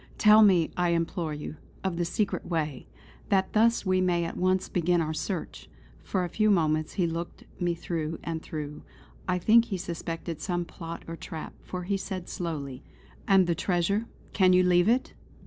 Tell me, I implore you, of the secret way; that thus we may at once begin our search." For a few seconds he looked me through and through; I think he suspected some plot or trap, for he said slowly: "And the treasure; can you leave it?"